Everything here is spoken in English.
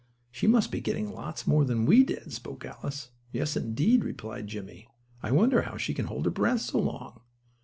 "She must be getting lots more than we did," spoke Alice. "Yes, indeed," replied Jimmie. "I wonder how she can hold her breath so long?"